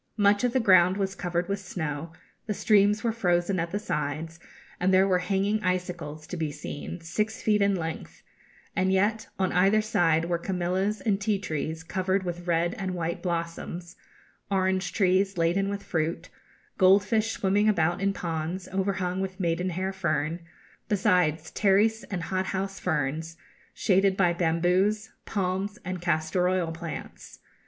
Much of the ground was covered with snow, the streams were frozen at the sides, and there were hanging icicles to be seen, six feet in length; and yet on either side were camellias and tea trees covered with red and white blossoms, orange trees, laden with fruit; gold fish swimming about in ponds, overhung with maidenhair fern, besides pteris and hothouse ferns, shaded by bamboos, palms, and castor oil plants.